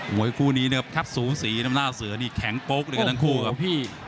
หมวยคู่นี้ครับสูงสีหน้าเสื้อนี่แข็งโป๊กด้วยกันทั้งคู่ครับ